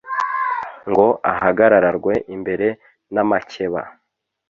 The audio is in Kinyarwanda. ngo ahagararwe imbere n'amakeba.